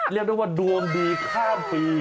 เรียกได้ว่าดวงดีข้ามปี